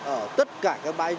ở tất cả cái bãi giữ xe